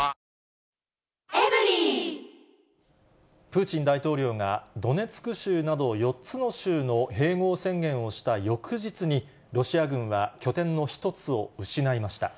プーチン大統領が、ドネツク州など４つの州の併合宣言をした翌日に、ロシア軍は拠点の一つを失いました。